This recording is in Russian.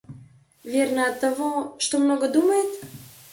Верно, оттого, что много думает?